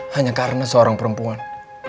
hanya karena seorang perempuan